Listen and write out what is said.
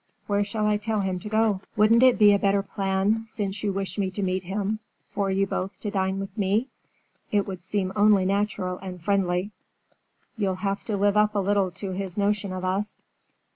Where shall I tell him to go?" "Wouldn't it be a better plan, since you wish me to meet him, for you both to dine with me? It would seem only natural and friendly. You'll have to live up a little to his notion of us."